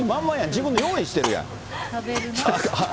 自分で用意してるやん。